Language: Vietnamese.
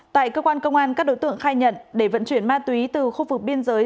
tại cơ quan công an các đối tượng khai nhận để vận chuyển ma túy từ khu vực biên giới